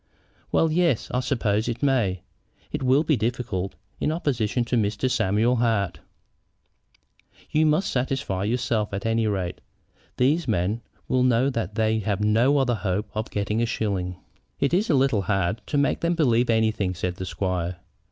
"Well, yes; I suppose it may. It will be difficult, in opposition to Mr. Samuel Hart." "You must satisfy yourselves, at any rate. These men will know that they have no other hope of getting a shilling." "It is a little hard to make them believe anything," said the squire.